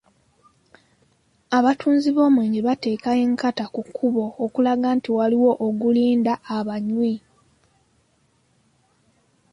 Abatunzi b’omwenge bateeka e Nkata ku kkubo okulaga nti waliwo ogulinda abanywi.